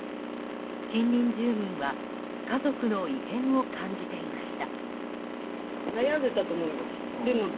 近隣住民は家族の異変を感じていました。